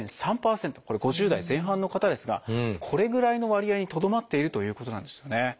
これ５０代前半の方ですがこれぐらいの割合にとどまっているということなんですよね。